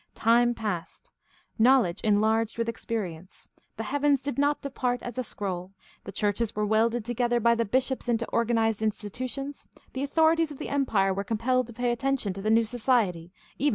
Time passed; knowledge enlarged with experience; the heavens did not depart as a scroll; the churches were welded together by the bishops into organized institutions; the authorities of the Empire were compelled to pay attention to the new society, even when they persecuted it.